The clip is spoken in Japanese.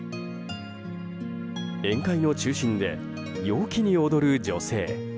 宴会の中心で、陽気に踊る女性。